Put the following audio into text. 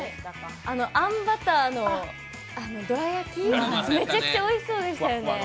あんバターのどら焼き、めちゃくちゃおいしそうでしたよね！